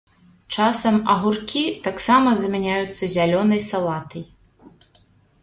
Часам агуркі таксама замяняюцца зялёнай салатай.